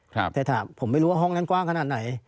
แต่ถามผมไม่รู้ว่าห้องนั้นกว้างขนาดไหน